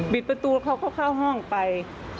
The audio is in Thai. ประตูเขาก็เข้าห้องไป